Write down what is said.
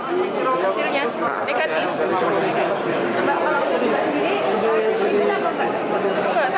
hasilnya dekat nih